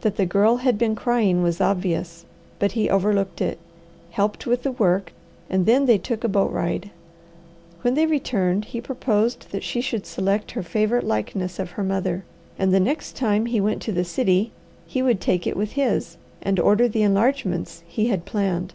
That the Girl had been crying was obvious, but he overlooked it, helped with the work, and then they took a boat ride. When they returned he proposed that she should select her favourite likeness of her mother, and the next time he went to the city he would take it with his, and order the enlargements he had planned.